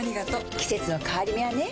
季節の変わり目はねうん。